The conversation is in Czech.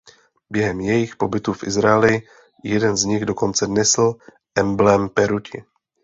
Během jejich pobytu v Izraeli jeden z nich dokonce nesl emblém peruti.